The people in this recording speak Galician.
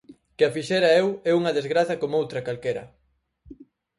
Que a fixera eu é unha desgraza como outra calquera.